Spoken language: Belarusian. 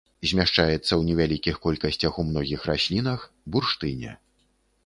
Змяшчаецца ў невялікіх колькасцях ў многіх раслінах, бурштыне.